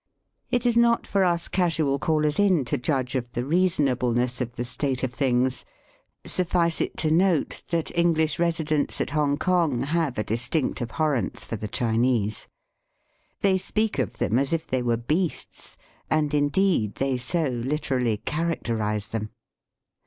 It is not for us casual callers in to judge of the reasonableness of the state of things. Suffice it to note that English residents at Hongkong have a distinct abhorrence for the Chinese. They speak of them as if they were beasts, and, indeed, they so literally characterize them.